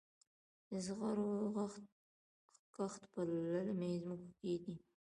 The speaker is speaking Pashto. د زغرو کښت په للمي ځمکو کې دی.